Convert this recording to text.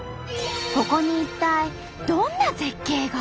ここに一体どんな絶景が？